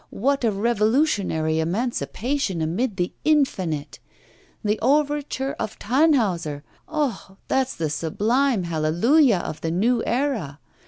what a revolutionary emancipation amid the infinite! The overture of "Tannhauser," ah! that's the sublime hallelujah of the new era.